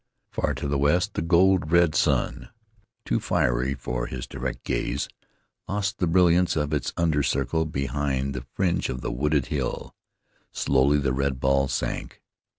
Far in the west the gold red sun, too fiery for his direct gaze, lost the brilliance of its under circle behind the fringe of the wooded hill. Slowly the red ball sank.